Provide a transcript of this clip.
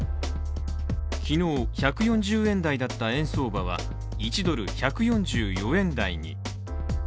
昨日１４０円台だった円相場は１ドル＝１４４円台に。